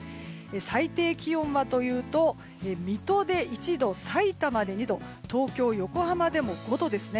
最低気温は水戸で１度さいたまで２度東京、横浜でも５度ですね。